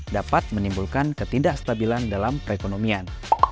dapat menimbulkan ketidakstabilan dalam perekonomian